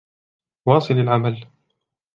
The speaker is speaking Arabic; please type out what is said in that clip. واصِل العمل.